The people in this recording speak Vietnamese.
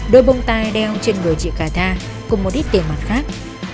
đôi bông tai đeo trên người chị cà tha cùng một ít tiền mặt khác